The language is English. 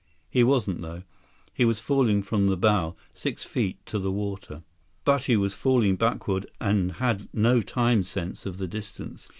He wasn't, though. He was falling from the bow, six feet to the water. But he was falling backward and had no time sense of the distance.